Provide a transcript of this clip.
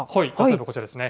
こちらですね。